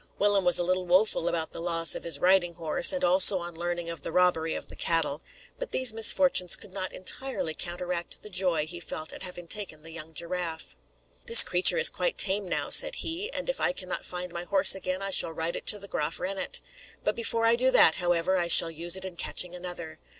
Willem was a little woeful about the loss of his riding horse, and also on learning of the robbery of the cattle; but these misfortunes could not entirely counteract the joy he felt at having taken the young giraffe. "This creature is quite tame now," said he; "and if I cannot find my horse again, I shall ride it to Graaf Reinet. Before I do that, however, I shall use it in catching another.